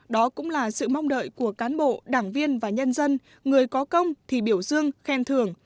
đó cũng là sự mong đợi của cán bộ đảng viên và nhân dân người có công thì biểu dương khen thưởng